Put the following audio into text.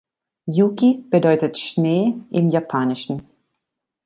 „Yuki“ bedeutet „Schnee“ im Japanischen.